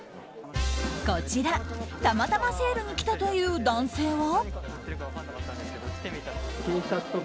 こちら、たまたまセールに来たという男性は。